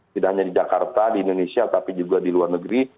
tidak hanya di jakarta di indonesia tapi juga di luar negeri